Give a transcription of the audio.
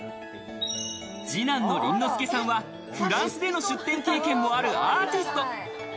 二男のＲｉｎｎｏｓｕｋｅさんはフランスでの出展経験もあるアーティスト。